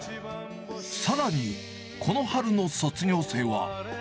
さらに、この春の卒業生は。